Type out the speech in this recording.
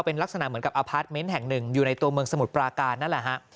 เป็นลักษณะเหมือนกับอพาร์ทเมนต์แห่งหนึ่งอยู่ในตัวเมืองสมุทรปราการนั่นแหละฮะ